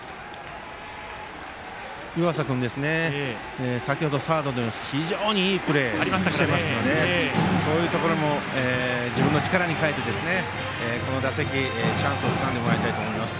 湯浅君、先程サードでもいいプレーをしていますのでそういうところも自分の力に変えてこの打席、チャンスをつかんでもらいたいと思います。